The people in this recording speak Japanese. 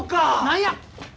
何や？